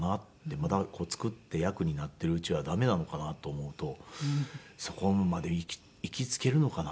まだ作って役になっているうちは駄目なのかなと思うとそこまで行き着けるのかなって思いますね。